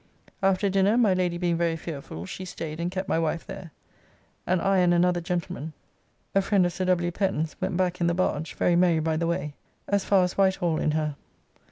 After dinner, my Lady being very fearfull she staid and kept my wife there, and I and another gentleman, a friend of Sir W. Pen's, went back in the barge, very merry by the way, as far as Whitehall in her.